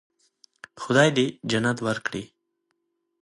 خدای دې جنت ورکړي.